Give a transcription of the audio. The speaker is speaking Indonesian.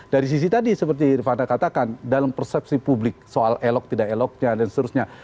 dari sisi tadi seperti rifana katakan dalam persepsi publik soal elok tidak eloknya dan seterusnya